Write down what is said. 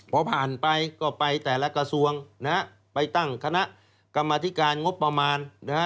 พอผ่านไปก็ไปแต่ละกระทรวงไปตั้งคณะกรรมธิการงบประมาณนะฮะ